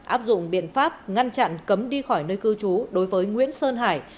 áp dụng biện pháp ngăn chặn cấm đi khỏi nơi cư trú đối với nguyễn sơn hải